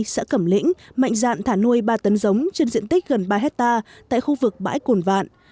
xã cẩm lĩnh mạnh dạn thả nuôi ba tấn giống trên diện tích gần ba hectare tại khu vực bãi cồn vạn